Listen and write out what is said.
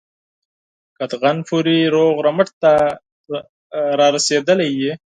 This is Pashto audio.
قطغن پوري روغ رمټ را رسېدلی یې.